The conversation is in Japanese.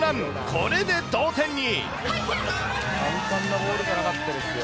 これで同点に。